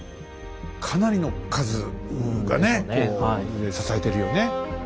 かなりの数がねこう支えてるよね。